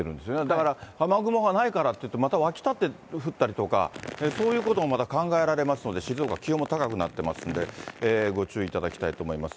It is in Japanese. だから、雨雲がないからといって、また湧き立って降ったりとか、そういうこともまた考えられますので、静岡、気温も高くなってますんで、ご注意いただきたいと思います。